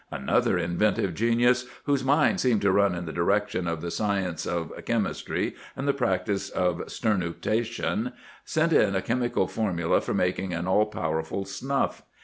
Another inventive genius, whose mind seemed to run in the direction of the science of chem istry and the practice of sternutation, sent in a chemical formula for making an aU powerful snuff.